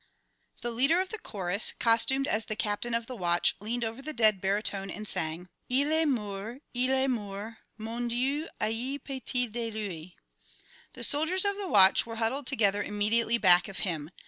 _" The leader of the chorus, costumed as the captain of the watch, leaned over the dead baritone and sang, "Il est mort, il est mort. Mon Dieu, ayez pitié de lui." The soldiers of the watch were huddled together immediately back of him.